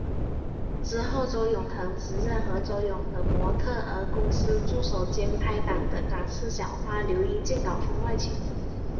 之后周永恒直认和周永恒模特儿公司助手兼拍档的港视小花刘依静搞婚外情。